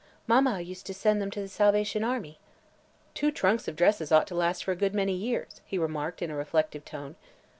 Mamma used to send them to the Salvation Army." "Two trunks of dresses ought to last for a good many years," he remarked in a reflective tone.